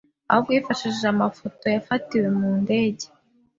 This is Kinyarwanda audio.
ahubwo yifashisha amafoto yafatiwe mu ndege